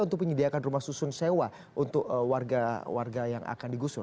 untuk menyediakan rumah susun sewa untuk warga warga yang akan digusur